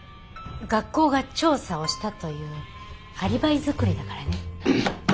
学校が調査をしたというアリバイ作りだからね。